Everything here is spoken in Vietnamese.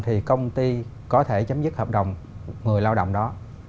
thì công ty có thể chấm dứt hợp đồng người lao động đó